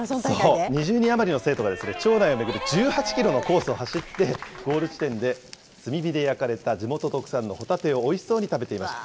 そう、２０人余りの生徒が、町内を巡る１８キロのコースを走って、ゴール地点で炭火で焼かれた地元特産のホタテをおいしそうに食べていました。